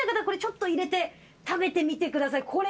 これちょっと入れて食べてみてください。